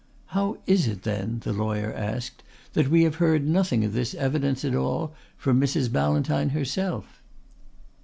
"How is it, then," the lawyer asked, "that we have heard nothing of this evidence at all from Mrs. Ballantyne herself?"